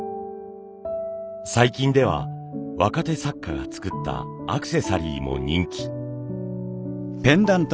最近では若手作家が作ったアクセサリーも人気。